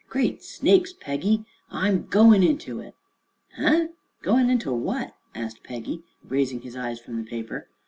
Great Snakes, Peggy, I'm goin' into it." "Heh? Goin' into what?" asked Peggy, raising his eyes from the paper.